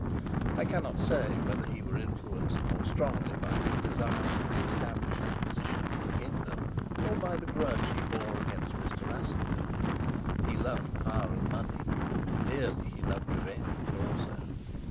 I cannot say whether he were influenced more strongly by his desire to reestablish his position in the kingdom or by the grudge he bore against Mr. Rassendyll. He loved power and money; dearly he loved revenge also.